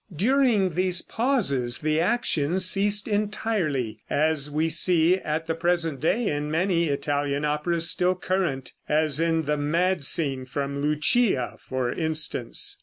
During these pauses the action ceased entirely, as we see at the present day in many Italian operas still current as in the "mad scene" from "Lucia," for instance.